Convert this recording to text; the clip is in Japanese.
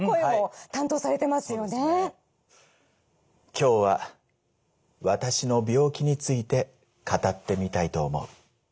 「今日は私の病気について語ってみたいと思う。